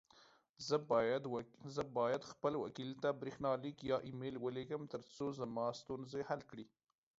زه بايد خپل وکيل ته بريښناليک يا اى ميل وليږم، ترڅو زما ستونزي حل کړې.